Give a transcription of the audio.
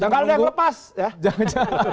jangan dari lepas ya